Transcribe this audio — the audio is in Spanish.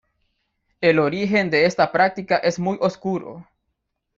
El origen de esta práctica es muy oscuro.